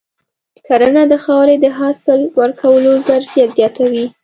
کرنه د خاورې د حاصل ورکولو ظرفیت زیاتوي.